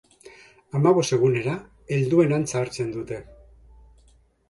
Hamabost egunera helduen antza hartzen dute.